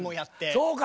そうか。